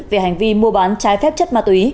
về hành vi mua bán trái phép chất ma túy